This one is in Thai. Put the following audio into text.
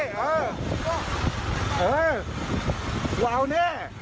เออวาวแชท